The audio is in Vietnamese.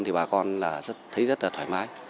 thì bà con là thấy rất là thoải mái